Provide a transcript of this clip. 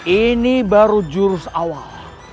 ini baru jurus awal